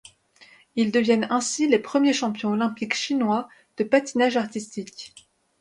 Ils deviennent ainsi les premiers champions olympiques chinois de patinage artistique.